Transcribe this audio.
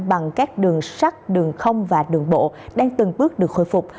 bằng các đường sắt đường không và đường bộ đang từng bước được khôi phục